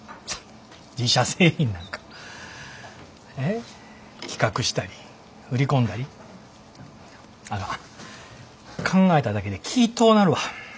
自社製品なんか企画したり売り込んだりあかん考えただけで気ぃ遠なるわ。